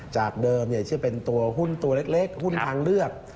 จากเดิมจะเป็นตัวหุ้นตัวเล็กหุ้นทางเลือก